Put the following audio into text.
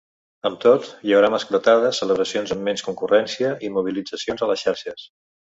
Amb tot, hi haurà mascletades, celebracions amb menys concurrència i mobilitzacions a les xarxes.